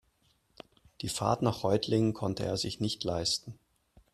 Die Fahrt nach Reutlingen konnte er sich nicht leisten